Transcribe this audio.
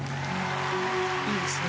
いいですね。